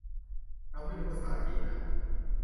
เราไม่รู้ภาษาจีนอ่ะ